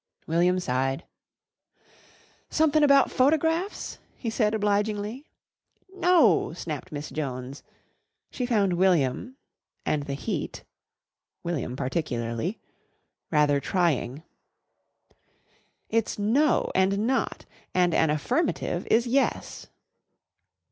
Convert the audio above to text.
William sighed. "Somethin' about photographs?" he said obligingly. "No," snapped Miss Jones. She found William and the heat (William particularly) rather trying. "It's 'no' and 'not.' And an affirmative is 'yes.'"